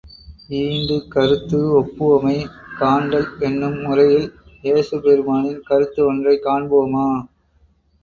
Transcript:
ஈண்டு கருத்து ஒப்புமை காண்டல் என்னும் முறையில் ஏசு பெருமானின் கருத்து ஒன்றைக் காண்போமே.